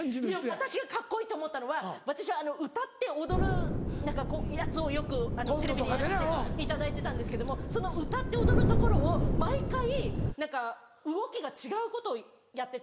私がカッコいいと思ったのは私は歌って踊るやつをよくテレビでやらせていただいてたんですけどもその歌って踊るところを毎回動きが違うことをやってたんです。